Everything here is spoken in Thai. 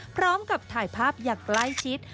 พร้อมกับถ่ายภาพอย่างใกล้ชิด